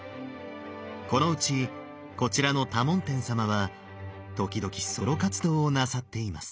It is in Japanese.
このうちこちらの多聞天様は時々ソロ活動をなさっています。